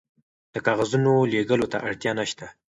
د کاغذونو لیږلو ته اړتیا نشته.